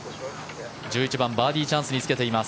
１１番、バーディーチャンスにつけています。